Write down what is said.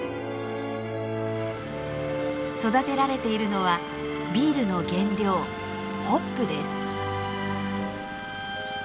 育てられているのはビールの原料ホップです。